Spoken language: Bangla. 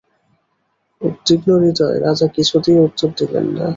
উদ্বিগ্নহৃদয় রাজা কিছুই উত্তর দিলেন না।